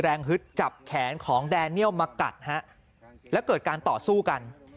ฮึดจับแขนของแดเนียลมากัดฮะแล้วเกิดการต่อสู้กัน